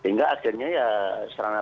sehingga akhirnya ya